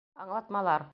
Аңлатмалар